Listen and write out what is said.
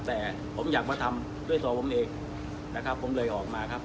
แต่ผมอยากมาทำด้วยตัวผมเองนะครับผมเลยออกมาครับ